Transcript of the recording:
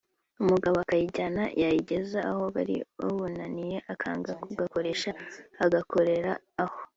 umugabo akayijyana yayigeza aho bari bubonanire akanga kugakoresha agakorera aho